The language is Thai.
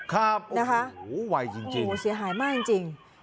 ครับโอ้โฮวัยจริงนะคะโอ้โฮเสียหายมากจริง